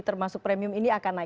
termasuk premium ini akan naik